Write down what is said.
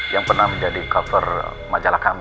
yang pernah menjadi cover majalah kami